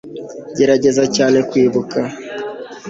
gerageza cyane kwibuka